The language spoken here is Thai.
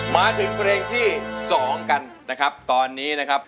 มาถึงเพลงที่๒กันนะครับตอนนี้นะครับ